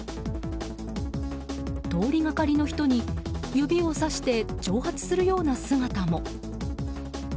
通りがかりの人に指をさして挑発するような姿も。